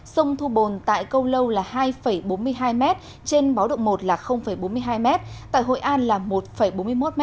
sông thu bồn tại câu lâu là hai bốn mươi hai m trên báo động một là bốn mươi hai m tại hội an là một bốn mươi một m